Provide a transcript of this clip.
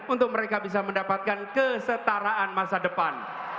untuk mereka bisa mendapatkan kesetaraan masa depan